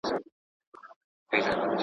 دنیا فاني ده بیا به وکړی ارمانونه.